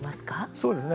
そうですね。